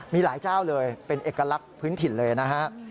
มีหลายเจ้าเลยเป็นเอกลักษณ์พื้นถิ่นเลยนะฮะ